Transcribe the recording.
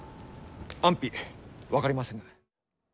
安否分かりませぬ。